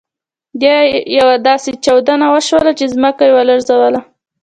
بیا یوه داسې چاودنه وشول چې ځمکه يې ولړزول.